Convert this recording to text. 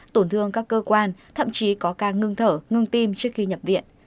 tổn thương các cơ quan thậm chí có ca ngưng thở ngưng tim trước khi nhập viện